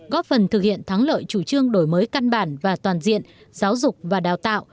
góp phần thực hiện thắng lợi chủ trương đổi mới căn bản và toàn diện giáo dục và đào tạo